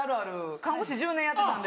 看護師１０年やってたんで。